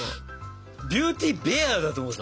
ビューティーベアだと思った。